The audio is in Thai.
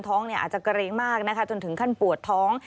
อาจจะเกรงมากนะคะจนถึงขั้นปวดท้อง